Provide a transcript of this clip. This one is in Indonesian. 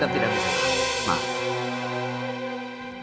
tetap tidak bisa pak maaf